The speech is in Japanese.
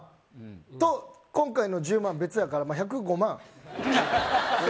と、今回の１０万別やからまあ、１０５万。